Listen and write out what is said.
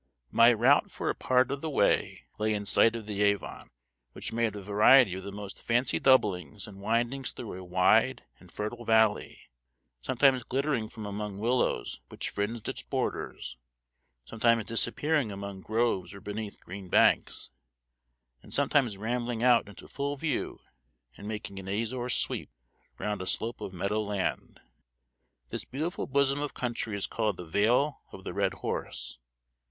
My route for a part of the way lay in sight of the Avon, which made a variety of the most fancy doublings and windings through a wide and fertile valley sometimes glittering from among willows which fringed its borders; sometimes disappearing among groves or beneath green banks; and sometimes rambling out into full view and making an azure sweep round a slope of meadow land. This beautiful bosom of country is called the Vale of the Red Horse.